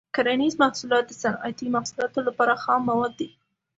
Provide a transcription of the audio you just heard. کرنیز محصولات د صنعتي محصولاتو لپاره خام مواد دي.